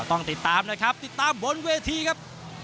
ต้องติดตามนะครับติดตามบนเวทีครับ